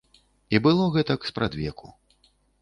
І было гэтак спрадвеку.